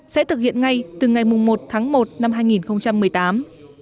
sẽ thực hiện ngay từ ngày một tháng một năm hai nghìn một mươi tám